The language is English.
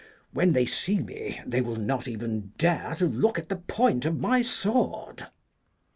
When they see me they will not even dare to look at the point of my sword.'